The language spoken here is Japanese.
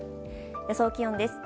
予想気温です。